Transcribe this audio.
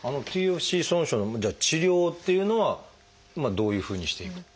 ＴＦＣＣ損傷の治療っていうのはどういうふうにしていくと。